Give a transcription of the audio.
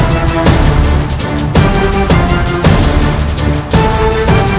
dan sempurnakanlah kekuatanku